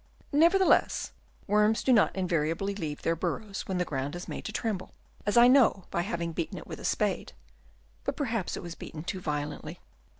Nevertheless, worms do not in variably leave their burrows when the ground is made to tremble, as I know by having beaten it with a spade, but perhaps it was beaten too violently.